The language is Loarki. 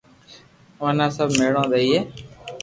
ورنہ سب ميڙون ديئي